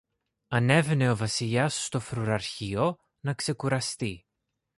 ανέβαινε ο Βασιλιάς στο φρουραρχείο να ξεκουραστεί